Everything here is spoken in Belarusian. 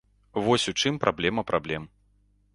Вось у чым праблема праблем.